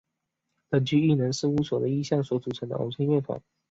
根据艺能事务所的意向所组成的偶像乐团。